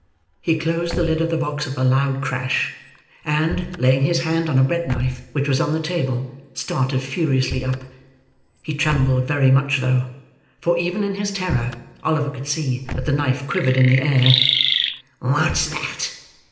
He closed the lid of the box with a loud crash; and, laying his hand on a bread knife which was on the table, started furiously up. He trembled very much though; for, even in his terror, Oliver could see that the knife quivered in the air. "What's that?"